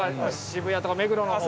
渋谷とか目黒のほう。